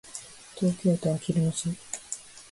東京都あきる野市